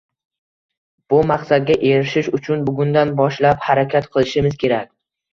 Bu maqsadga erishish uchun bugundan boshlab harakat qilishimiz kerak